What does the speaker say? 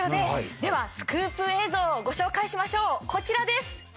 ではスクープ映像をご紹介しましょうこちらです